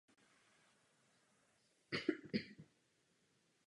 V této době byl pravděpodobně dřevěný.